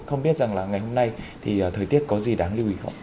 không biết rằng là ngày hôm nay thì thời tiết có gì đáng lưu ý không